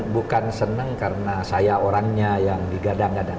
bukan senang karena saya orangnya yang digadang gadang